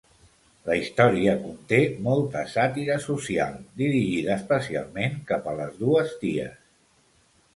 La història conté molta sàtira social, dirigida especialment cap a les dues ties.